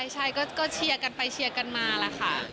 ใช่ก็เชียร์กันไปเชียร์กันมาล่ะค่ะ